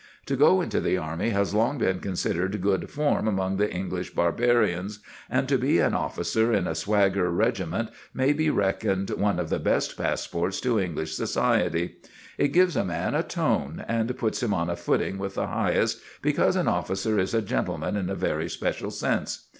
To go into the army has long been considered good form among the English Barbarians, and to be an officer in a swagger regiment may be reckoned one of the best passports to English society. It gives a man a tone, and puts him on a footing with the highest, because an officer is a gentleman in a very special sense.